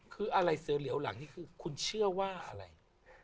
คือคุณเชื่อว่าอะไร